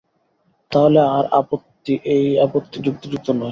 তাহলে তার এই আপত্তি যুক্তিযুক্ত নয়।